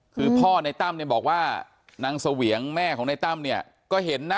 คือพ่อในตั้มเนี่ยบอกว่านางเสวียงแม่ของในตั้มเนี่ยก็เห็นนะ